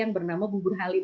yang bernama bubur halim